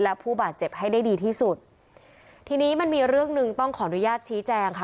และผู้บาดเจ็บให้ได้ดีที่สุดทีนี้มันมีเรื่องหนึ่งต้องขออนุญาตชี้แจงค่ะ